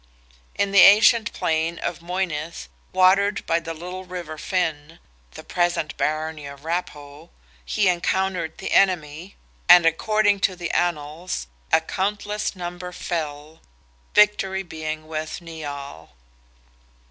In the ancient plain of Moynith, watered by the little river Finn, (the present barony of Raphoe,) he encountered the enemy, and according to the Annals, "a countless number fell"—victory being with Nial.